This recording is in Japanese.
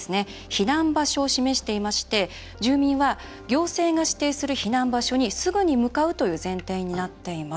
避難場所を示していまして住民は行政が指定する避難場所にすぐに向かうという前提になっています。